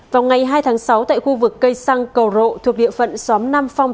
vào ngày hai tháng sáu tại khu vực cây xăng cầu rộ thuộc địa phận xóm nam phong